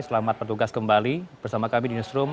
selamat bertugas kembali bersama kami di newsroom